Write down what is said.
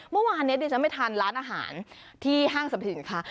เมื่อวานนี้ดิฉันไปทานร้านอาหารที่ห้างสรรพสินค้า